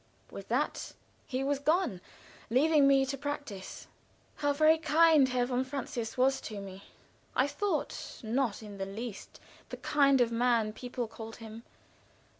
With that he was gone, leaving me to practice. How very kind von Francius was to me! I thought not in the least the kind of man people called him.